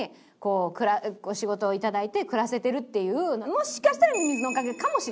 もしかしたらミミズのおかげかもしれない。